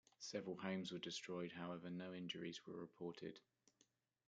Several homes were destroyed, however no injuries were reported.